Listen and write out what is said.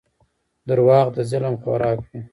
• دروغ د ظلم خوراک وي.